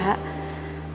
tadi malam datang kesini